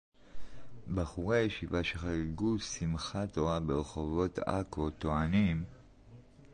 בחורי ישיבה שחגגו שמחת תורה ברחובות עכו טוענים